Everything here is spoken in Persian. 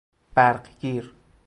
برقگیر